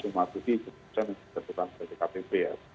mematuhi keputusan yang ditentukan oleh dkpp ya